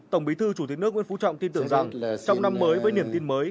tổng bí thư chủ tịch nước nguyễn phú trọng tin tưởng rằng trong năm mới với niềm tin mới